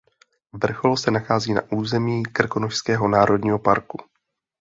Vrchol se nachází na území Krkonošského národního parku.